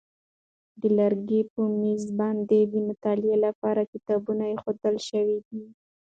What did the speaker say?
د لرګي په مېز باندې د مطالعې لپاره کتابونه ایښودل شوي دي.